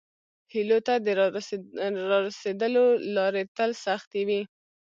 هیلو ته د راسیدلو لارې تل سختې وي.